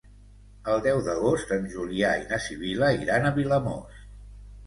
El deu d'agost en Julià i na Sibil·la iran a Vilamòs.